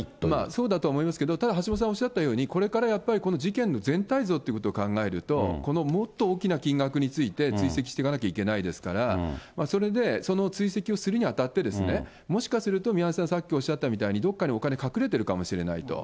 そうだとは思いますけど、ただ橋下さんおっしゃったように、これからやっぱり、この事件の全体像ということを考えると、このもっと大きな金額について追跡していかなきゃいけないですから、それでその追跡をするにあたって、もしかすると宮根さん、さっきおっしゃったみたいに、どっかにお金、隠れてるかもしれないと。